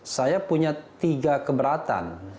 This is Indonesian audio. saya punya tiga keberatan